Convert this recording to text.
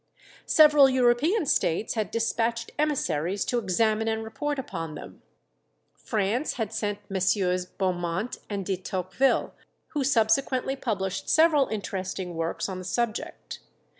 Several European states had despatched emissaries to examine and report upon them. France had sent MM. Beaumont and De Tocqueville, who subsequently published several interesting works on the subject.